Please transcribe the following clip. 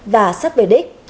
và sắt về đích